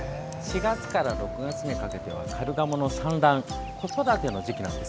４月から６月にかけてはカルガモの産卵・子育ての時期。